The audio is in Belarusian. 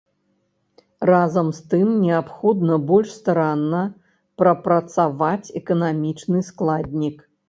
Разам з тым неабходна больш старанна прапрацаваць эканамічны складнік.